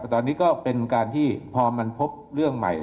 ตอนนี้ก็เป็นการที่พอมันพบเรื่องใหม่